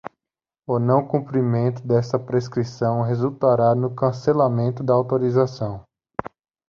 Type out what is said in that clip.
O não cumprimento desta prescrição resultará no cancelamento da autorização.